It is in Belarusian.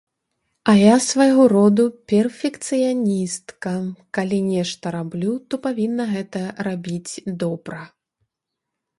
А я свайго роду перфекцыяністка, калі нешта раблю, то павінна гэта рабіць добра.